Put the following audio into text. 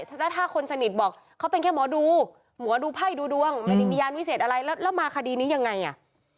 แต่ถ้าคนสนิทบอกเขาเป็นแค่หมอดูหมอดูไพ่ดูดวงไม่ได้มียานวิเศษอะไรแล้วแล้วมาคดีนี้ยังไงอ่ะ